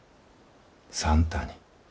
算太に。